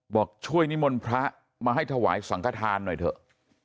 บอกช่วยนิมนต์พระมาให้ถวายสังขทานหน่อยเถอะ